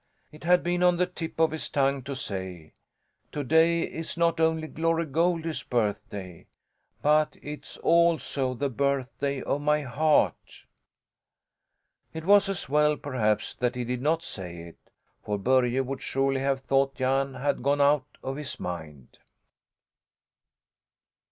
It had been on the tip of his tongue to say: "To day is not only Glory Goldie's birthday, but it's also the birthday of my heart." It was as well, perhaps, that he did not say it, for Börje would surely have thought Jan had gone out of his mind.